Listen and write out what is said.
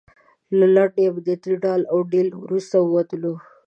له لنډ امنیتي ډال او ډیل وروسته ووتلو.